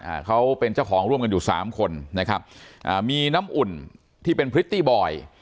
อ่าเขาเป็นเจ้าของร่วมกันอยู่สามคนนะครับอ่ามีน้ำอุ่นที่เป็นพริตตี้บอย